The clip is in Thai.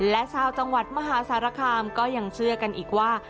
และชาวจังหวัดมหาสารคามก็ยังเชื่อกันอีกว่า